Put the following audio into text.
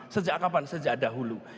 sejak kapan sejak dahulu